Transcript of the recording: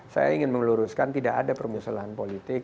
saya ingin mengeluruskan tidak ada permusuhan politik